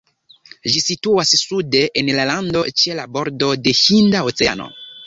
Ĝi situas sude en la lando, ĉe la bordo de Hinda Oceano.